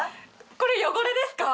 これ汚れですか？